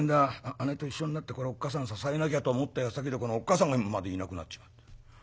姉と一緒になっておっ母さん支えなきゃと思ったやさきでこのおっ母さんまでいなくなっちまった。